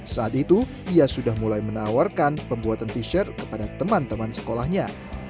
saat itu ia sudah mulai menawarkan pembuatan t shirt kepada teman teman sekolahnya